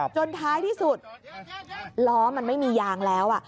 ท้ายที่สุดล้อมันไม่มียางแล้ว